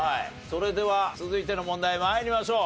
それでは続いての問題参りましょう。